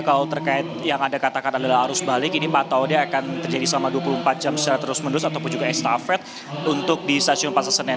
kalau terkait yang anda katakan adalah arus balik ini pantaunya akan terjadi selama dua puluh empat jam secara terus menerus ataupun juga estafet untuk di stasiun pasar senen